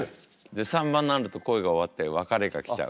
で３番になると恋が終わって別れが来ちゃうという。